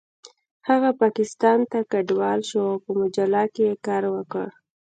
هغه پاکستان ته کډوال شو او په مجله کې یې کار وکړ